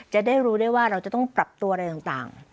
จะได้รู้ได้ว่าเราจะต้องปรับตัวอะไรต่าง